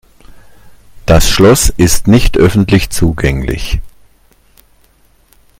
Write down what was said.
Das Schloss ist nicht öffentlich zugänglich.